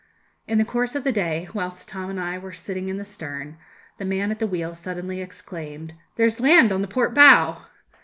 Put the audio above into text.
In the course of the day, whilst Tom and I were sitting in the stern, the man at the wheel suddenly exclaimed, 'There's land on the port bow.'